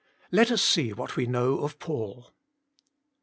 Let us see what we know of Paul.